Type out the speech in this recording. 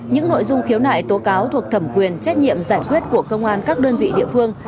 những nội dung khiếu nại tố cáo thuộc thẩm quyền trách nhiệm giải quyết của công an các đơn vị địa phương